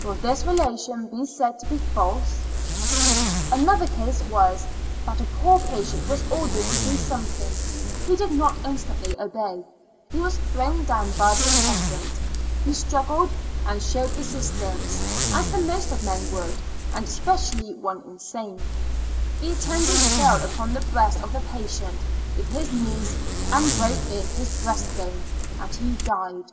Will this relation be said to be false? Another case was : that a poor patient 138 ^^^"^ Years and Four Months was ordered to do something; he did not instantly obey; he was thrown down by the attendant; he struggled and showed resistance, as the most of men would, and especially one insane; the attendant fell upon the breast of the patient with his knees and broke in his breast bone, and he died!